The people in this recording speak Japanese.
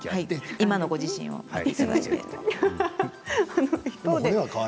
今のご自身ので。